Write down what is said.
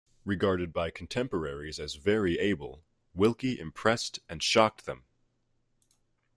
Regarded by contemporaries as very able, Wilkie impressed and shocked them.